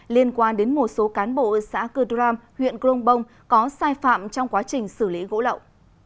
liên quan đến một số cán bộ xã cư đram huyện crong bông có sai phạm trong quá trình xử lý gỗ lậu